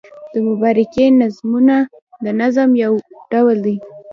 د مبارکۍ نظمونه د نظم یو ډول دﺉ.